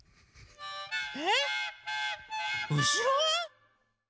え⁉うしろ？